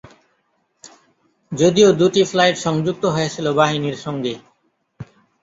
যদিও দুটি ফ্লাইট সংযুক্ত হয়েছিল বাহিনীর সঙ্গে।